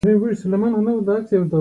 پښتو ژبه ډېري لهجې لري.